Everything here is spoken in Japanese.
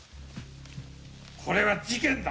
これは事件だ。